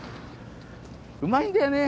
うまいんだよね